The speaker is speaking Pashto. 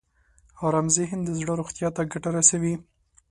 ارام ذهن د زړه روغتیا ته ګټه رسوي.